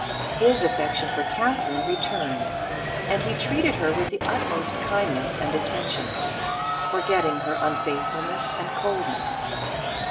His affection for Catherine returned, and he treated her with the utmost kindness and attention, forgetting her unfaithfulness and coldness.